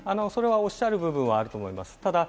おっしゃる部分はあると思います。